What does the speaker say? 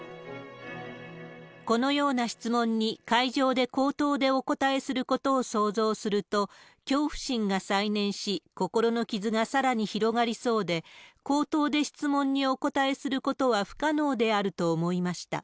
このような質問に会場で口頭でお答えすることを想像すると、恐怖心が再燃し、心の傷がさらに広がりそうで、口頭で質問にお答えすることは不可能であると思いました。